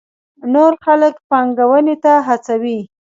نور خلک پانګونې ته هڅوي.